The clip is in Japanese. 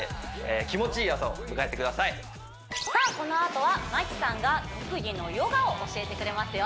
このあとは麻希さんが特技のヨガを教えてくれますよ